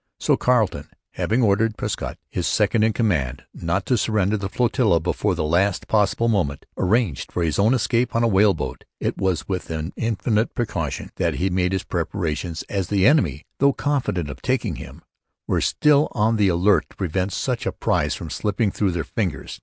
So Carleton, having ordered Prescott, his second in command, not to surrender the flotilla before the last possible moment, arranged for his own escape in a whaleboat. It was with infinite precaution that he made his preparations, as the enemy, though confident of taking him, were still on the alert to prevent such a prize from slipping through their fingers.